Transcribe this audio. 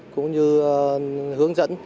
cũng như hướng dẫn